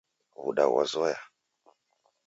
W'uda ghwazoya